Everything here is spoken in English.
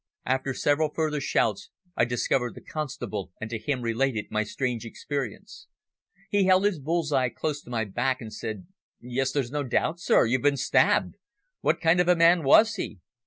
After several further shouts I discovered the constable and to him related my strange experience. He held his bull's eye close to my back and said "Yes, there's no doubt, sir, you've been stabbed! What kind of a man was he?"